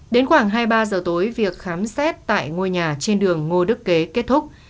đến khoảng hai mươi ba giờ tối việc khám xét tại ngôi nhà trên đường ngô đức kế kết thúc